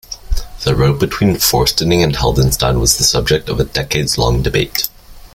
The route between Forstinning and Heldenstein was the subject of a decades-long debate.